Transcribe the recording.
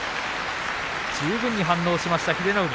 十分に反応しました、英乃海。